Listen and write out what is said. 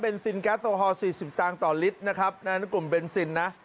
เป็นซินแก๊สโอฮอล๔๐ตางค์ต่อลิตรนะครับนั่นกลุ่มเบนซินนะ